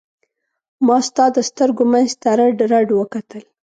ما ستا د سترګو منځ ته رډ رډ وکتل.